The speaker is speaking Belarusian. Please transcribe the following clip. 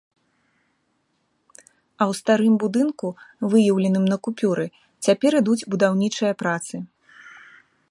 А ў старым будынку, выяўленым на купюры, цяпер ідуць будаўнічыя працы.